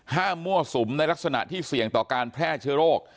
มั่วสุมในลักษณะที่เสี่ยงต่อการแพร่เชื้อโรค